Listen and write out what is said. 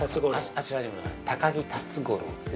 ◆あちらに、高木辰五郎って。